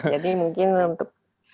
jadi mungkin untuk